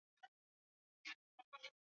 u barani afrika pendo mbona unashangaa